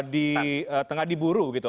di tengah diburu gitu